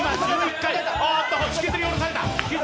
引きずり下ろされた。